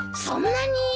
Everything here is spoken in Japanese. そんなに！？